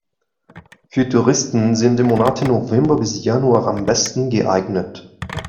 Für Touristen sind die Monate November bis Januar am besten geeignet.